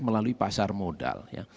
melalui pasar modal